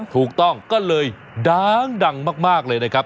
ถูกต้องก็เลยดังมากเลยนะครับ